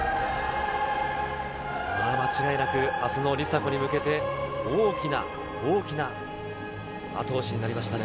間違いなくあすの梨紗子に向けて、大きな大きな後押しになりましたね。